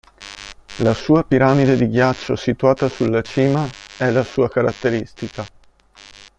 La sua piramide di ghiaccio situata sulla cima è la sua caratteristica.